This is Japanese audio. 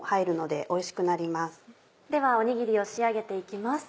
ではおにぎりを仕上げて行きます。